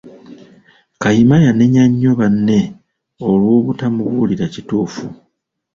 Kayima yanenya nnyo banne olw'obutamubuulira kituufu.